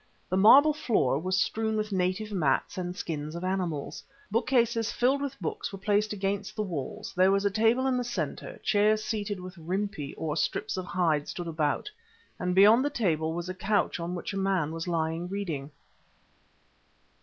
The marble floor was strewn with native mats and skins of animals. Bookcases filled with books were placed against the walls, there was a table in the centre, chairs seated with rimpi or strips of hide stood about, and beyond the table was a couch on which a man was lying reading.